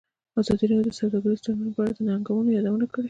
ازادي راډیو د سوداګریز تړونونه په اړه د ننګونو یادونه کړې.